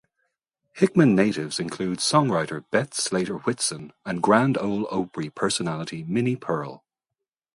Hickman natives include songwriter Beth Slater Whitson and Grand Ole Opry personality Minnie Pearl.